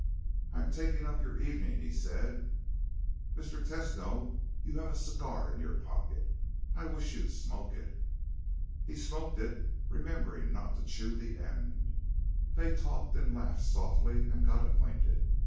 "I'm taking up your evening," he said. "Mr. Tesno, you have a cigar in your pocket. I wish you'd smoke it." He smoked it, remembering not to chew the end. They talked and laughed softly and got acquainted.